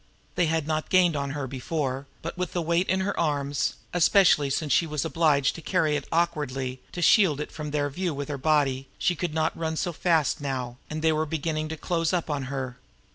They had not gained on her before; but with the weight in her arms, especially as she was obliged to carry it awkwardly in order to shield it from their view with her body, she could not run so fast now, and they were beginning to close up on her.